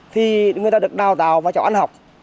thì người ta được đào tạo và cho ăn học